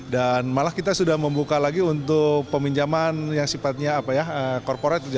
dan malah kita sudah membuka lagi untuk peminjaman yang sifatnya korporat